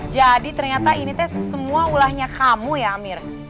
jadi ternyata ini teh semua ulahnya kamu ya amir